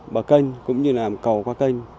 bờ canh cũng như là cầu qua canh